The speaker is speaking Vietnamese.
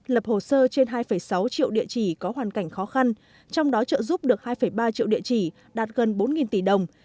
lập hồ sơ trên hai sáu triệu địa chỉ có hoàn cảnh khó khăn trong đó trợ giúp được hai ba triệu địa chỉ đạt gần bốn tỷ đồng